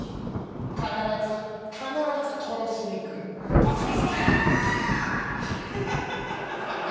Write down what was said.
必ず必ず殺しに来るバサバサバサキャー